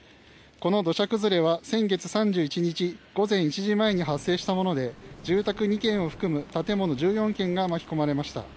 この土砂崩れは先月３１日午前１時前に発生したもので住宅２軒を含む建物１４軒が巻き込まれました。